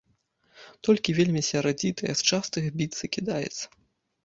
Толькі вельмі сярдзітая, з частых біцца кідаецца.